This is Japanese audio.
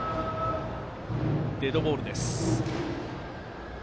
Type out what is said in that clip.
デッドボールです。